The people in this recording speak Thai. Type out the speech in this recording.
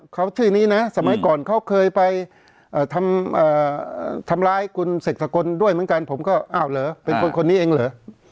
เขาชื่อนี้นะสมัยก่อนเขาเคยไปทำร้ายคุณเสกสกลด้วยเหมือนกันผมก็อ้าวเหรอเป็นคนคนนี้เองเหรอ